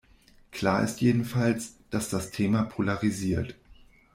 Klar ist jedenfalls, dass das Thema polarisiert.